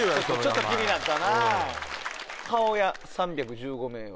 ちょっと気になったな。